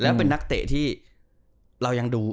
แล้วเป็นนักเตะที่เรายังดู